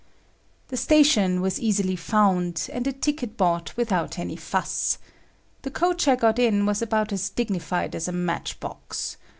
The station was easily found, and a ticket bought without any fuss. The coach I got in was about as dignified as a match box.